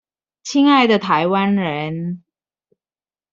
親愛的臺灣人